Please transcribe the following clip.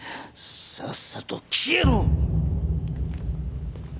さっさと消えろ！